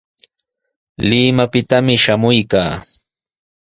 Limaqpitami shamuykaa.